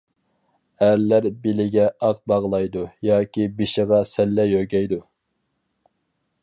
ئەرلەر بېلىگە ئاق باغلايدۇ ياكى بېشىغا سەللە يۆگەيدۇ.